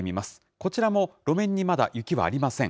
こちらも路面にまだ雪はありません。